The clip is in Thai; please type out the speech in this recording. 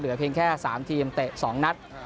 เหลือเพียงแค่๓ทีมเตะ๒นัด